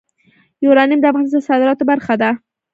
یورانیم د افغانستان د صادراتو برخه ده.